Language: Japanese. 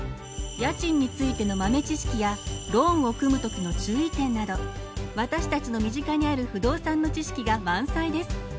家賃についての豆知識やローンを組む時の注意点など私たちの身近にある不動産の知識が満載です。